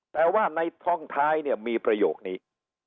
แต่ว่าในท่องท้ายเนี่ยมีประโยคนี้